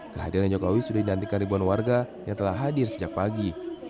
kehadiran jokowi sudah didantikan ribuan warga yang telah hadir sejak pagi